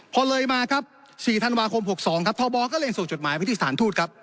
พอเลยมาครับ๔ธันวาคม๖๒ครับท่อบอลก็เล่นส่งจดหมายพิจารณ์ทูตครับ